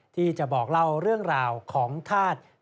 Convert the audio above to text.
ที่จะบอกเล่าเรื่องราวของธาตุ